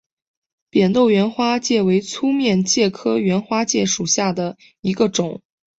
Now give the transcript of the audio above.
扁豆缘花介为粗面介科缘花介属下的一个种。